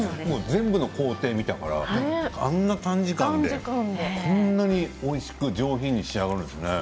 全部の工程を見たからあんな短時間でこんなにおいしく上品に仕上がるんですね。